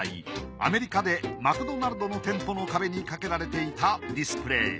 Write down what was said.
アメリカでマクドナルドの店舗の壁にかけられていたディスプレイ。